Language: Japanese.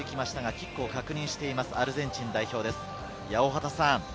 キックを確認しています、アルゼンチン代表です。